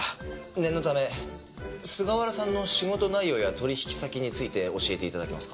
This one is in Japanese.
念のため菅原さんの仕事内容や取引先について教えて頂けますか？